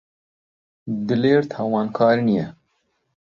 دلێر تاوانکار نییە.